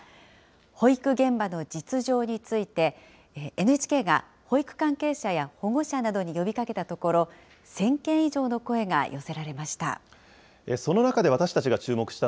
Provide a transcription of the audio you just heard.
保育現場の実情について、ＮＨＫが保育関係者や保護者などに呼びかけたところ、１０００件以上の声が寄せられました。